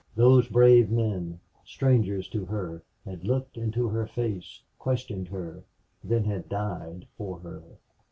Those brave men, strangers to her, had looked into her face, questioned her, then had died for her.